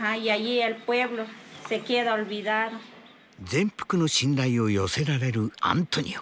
全幅の信頼を寄せられるアントニオ。